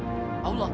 hanya kepada allah